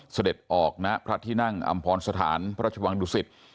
เสด็จออกณพระที่นั่งอำพรสถานพระราชวังดุสิต